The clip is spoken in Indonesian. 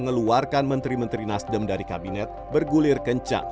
mengeluarkan menteri menteri nasdem dari kabinet bergulir kencang